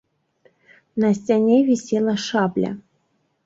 На сцяне вісела шабля.